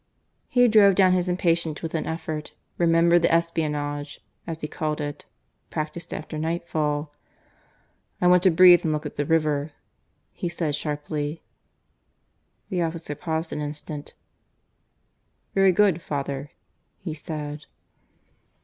He drove down his impatience with an effort, remembering the espionage (as he called it) practised after nightfall. "I want to breathe and look at the river," he said sharply. The officer paused an instant. "Very good, father," he said.